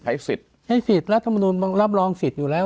สิทธิ์ใช้สิทธิ์รัฐมนุนรับรองสิทธิ์อยู่แล้ว